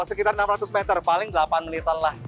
sekitar enam ratus meter paling delapan menitan lah